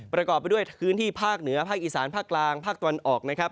ประกอบไปด้วยพื้นที่ภาคเหนือภาคอีสานภาคกลางภาคตะวันออกนะครับ